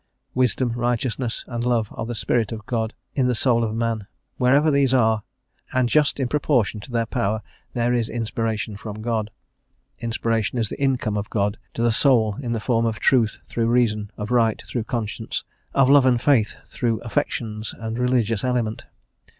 Wisdom, Righteous ness, and Love are the Spirit of God in the soul of man; wherever these are, and just in proportion to their power, there is inspiration from God.... Inspiration is the in come of God to the soul, in the form of Truth through the Reason, of Right through the Conscience, of Love and Faith through the Affections and Religious Element....